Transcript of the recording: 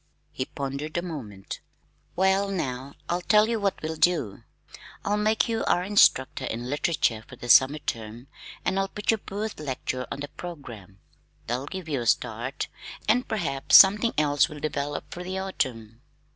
He pondered a moment, "Well, now I'll tell you what we'll do. I'll make you our Instructor in Literature for the summer term and I'll put your Booth lecture on the programme. That will give you a start, and perhaps something else will develop for the autumn."